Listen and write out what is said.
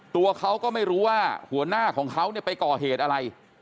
ตัวเขาก็ไม่รู้ว่าหัวหน้าของเขาไปก่อเหตุอะไร